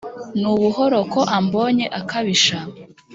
nubuhoro ko ambonye akabisha